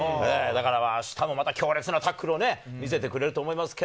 あしたもまた強烈なタックルを見せてくれると思います。